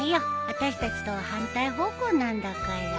あたしたちとは反対方向なんだから。